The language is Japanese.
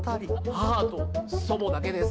母と祖母だけです。